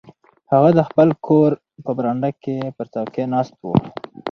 هغه د خپل کور په برنډه کې پر څوکۍ ناست و.